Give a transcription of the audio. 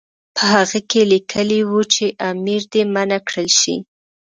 په هغه کې لیکلي وو چې امیر دې منع کړل شي.